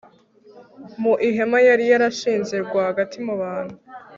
mu ihema yari yarashinze rwagati mu bantu